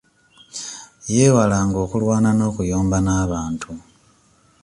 Yeewalanga okulwana n'okuyomba n'abantu.